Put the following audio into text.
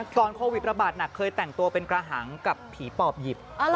โควิดระบาดหนักเคยแต่งตัวเป็นกระหังกับผีปอบหยิบ